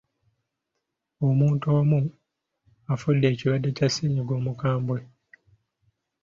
Omuntu omu afudde ekirwadde kya ssenyiga omukambwe.